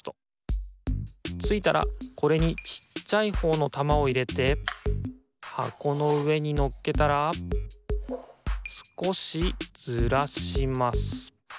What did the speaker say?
ついたらこれにちっちゃいほうのたまをいれてはこのうえにのっけたらすこしずらします。